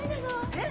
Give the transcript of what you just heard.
えっ？